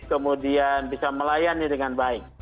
kemudian bisa melayani dengan baik